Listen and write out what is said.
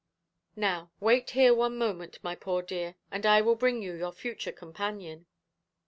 "Now, wait here one moment, my poor dear, and I will bring you your future companion".